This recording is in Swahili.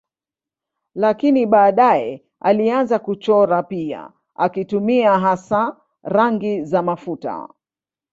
Lakini baadaye alianza kuchora pia akitumia hasa rangi za mafuta.